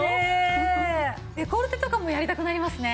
デコルテとかもやりたくなりますね。